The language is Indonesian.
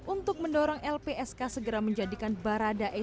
untuk mendorong lpsk segera menjadikan baradae